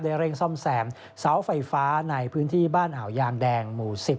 เร่งซ่อมแซมเสาไฟฟ้าในพื้นที่บ้านอ่าวยางแดงหมู่๑๐